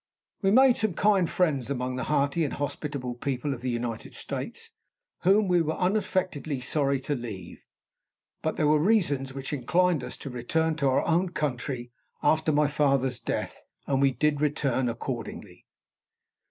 We made some kind friends among the hearty and hospitable people of the United States, whom we were unaffectedly sorry to leave. But there were reasons which inclined us to return to our own country after my father's death; and we did return accordingly.